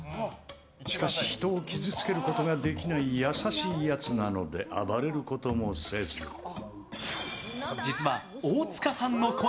しかし人を傷つけることができない優しいやつなので実は、大塚さんの声！